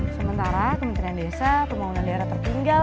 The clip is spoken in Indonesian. sementara kementerian desa pembangunan daerah tertinggal